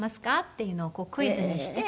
っていうのをクイズにして。